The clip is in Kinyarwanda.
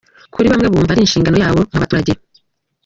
Kuri bamwe, bumva ari inshingano yabo nk'abaturage.